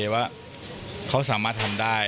ว่าเขาสามารถทำได้